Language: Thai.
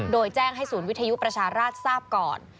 โดยแจ้งให้ศูนย์วิทยุประชาราชทราบก่อน